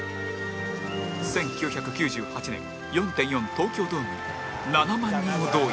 １９９８年 ４．４ 東京ドームに７万人を動員